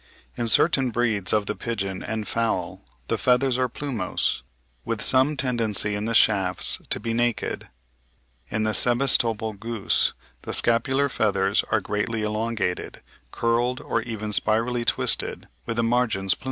In certain breeds of the pigeon and fowl the feathers are plumose, with some tendency in the shafts to be naked. In the Sebastopol goose the scapular feathers are greatly elongated, curled, or even spirally twisted, with the margins plumose.